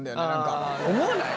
思わない？